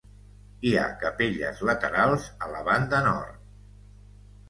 Hi ha capelles laterals a la banda nord.